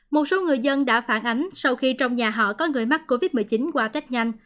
một số người dân đã phản ánh sau khi trong nhà họ có người mắc covid một mươi chín qua test nhanh